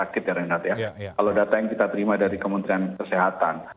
kalau data yang kita terima dari kementerian kesehatan